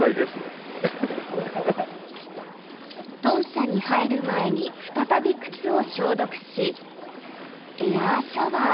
豚舎に入る前に再び靴を消毒しエアシャワー。